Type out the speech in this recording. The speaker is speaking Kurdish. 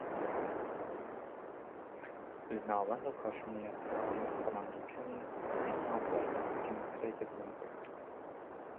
Li Navenda Kaşûnê ya Palandokenê niha berf nêzîkî metreyekê bilind bûye.